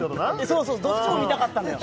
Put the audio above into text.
そうそうどっちも見たかったのよ